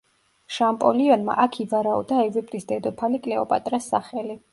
შამპოლიონმა აქ ივარაუდა ეგვიპტის დედოფალი კლეოპატრას სახელი.